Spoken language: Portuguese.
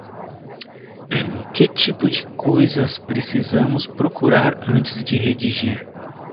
Que tipo de coisas precisamos procurar antes de redigir?